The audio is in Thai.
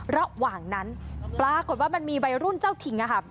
ระหว่างนั้นปรากฏว่ามันมีวัยรุ่นเจ้าถิ่น